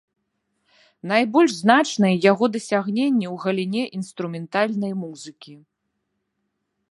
Найбольш значныя яго дасягненні ў галіне інструментальнай музыкі.